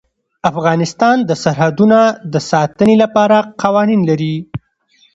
افغانستان د سرحدونه د ساتنې لپاره قوانین لري.